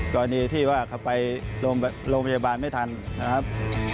กรณีที่ว่าเขาไปโรงพยาบาลไม่ทันนะครับ